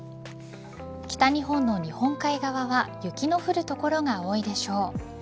北日本の日本海側は雪の降る所が多いでしょう。